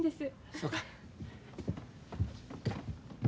そうか。